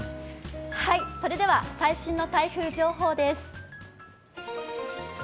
それでは最新の台風情報です。